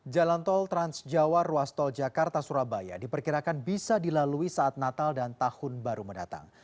jalan tol transjawa ruas tol jakarta surabaya diperkirakan bisa dilalui saat natal dan tahun baru mendatang